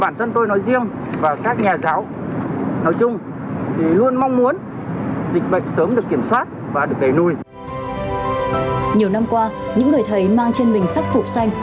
nhiều năm qua những người thầy mang trên mình sắc phục xanh